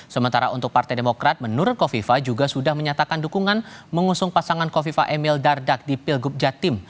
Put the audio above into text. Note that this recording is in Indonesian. sementara untuk partai demokrat menurut kofifa juga sudah menyatakan dukungan mengusung pasangan kofifa emil dardak di pilgub jatim